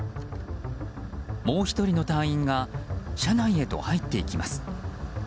もう１人の隊員が車内へと入っていきます。